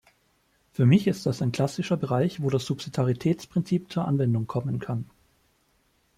Für mich ist das ein klassischer Bereich, wo das Subsidiaritätsprinzip zur Anwendung kommen kann.